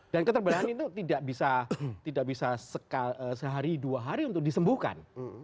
dan keterbelahan itu tidak bisa sehari dua hari untuk disembuhkan